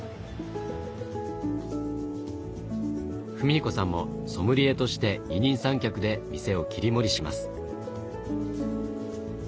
史彦さんもソムリエとして二人三脚で店を切り盛りします。